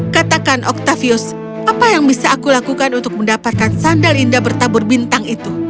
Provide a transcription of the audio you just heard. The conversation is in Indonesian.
katakan octavius apa yang bisa aku lakukan untuk mendapatkan sandal indah bertabur bintang itu